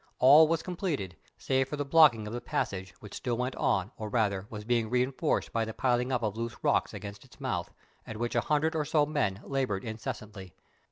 All was completed, save for the blocking of the passage, which still went on, or, rather, was being reinforced by the piling up of loose rocks against its mouth, at which a hundred or so men laboured incessantly.